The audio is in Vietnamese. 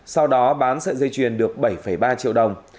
sau đó bán sợi dây chuyền được bảy ba triệu đồng